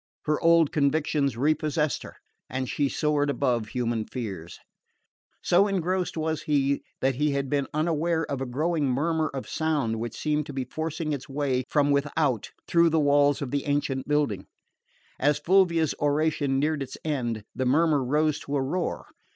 Her old convictions repossessed her and she soared above human fears. So engrossed was he that he had been unaware of a growing murmur of sound which seemed to be forcing its way from without through the walls of the ancient building. As Fulvia's oration neared its end the murmur rose to a roar.